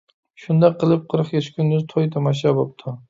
شۇنداق قىلىپ، قىرىق كېچە-كۈندۈز توي-تاماشا بوپتۇ.